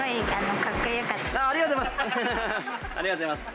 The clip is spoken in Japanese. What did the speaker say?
ありがとうございます。